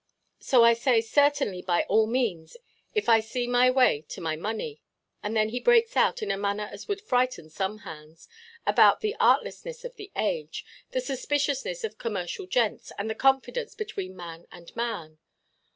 So I say, 'Certainly, by all means, if I see my way to my money.' And then he breaks out, in a manner as would frighten some hands, about the artlessness of the age, the suspiciousness of commercial gents, and confidence between man and man.